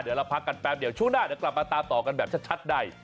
เดี๋ยวเราพักกันแป๊บเดียวช่วงหน้าเดี๋ยวกลับมาตามต่อกันแบบชัดใน